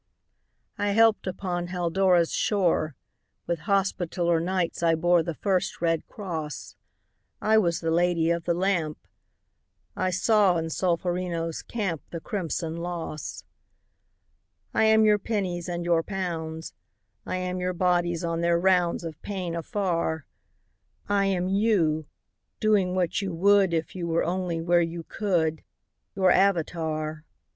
I helped upon Haldora's shore; With Hospitaller Knights I bore The first red cross; I was the Lady of the Lamp; I saw in Solferino's camp The crimson loss. 188 AUXILIARIES I am your pennies and your pounds; I am your bodies on their rounds Of pain afar; I am you, doing what you would If you were only where you could —■ Your avatar.